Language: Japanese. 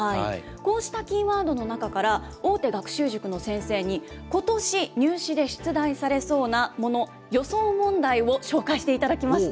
こうしたキーワードの中から、大手学習塾の先生に、ことし、入試で出題されそうなもの、予想問題を紹介していただきました。